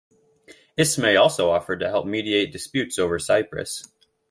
Ismay also offered to help mediate disputes over Cyprus.